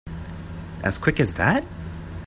As quick as that?